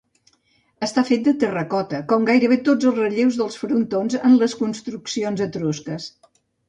Està fet de terracota, com gairebé tots els relleus dels frontons en les construccions etrusques.